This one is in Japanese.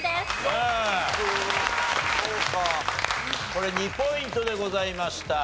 これ２ポイントでございました。